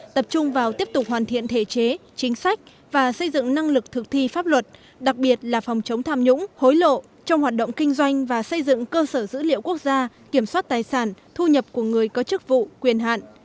tập trung vào tiếp tục hoàn thiện thể chế chính sách và xây dựng năng lực thực thi pháp luật đặc biệt là phòng chống tham nhũng hối lộ trong hoạt động kinh doanh và xây dựng cơ sở dữ liệu quốc gia kiểm soát tài sản thu nhập của người có chức vụ quyền hạn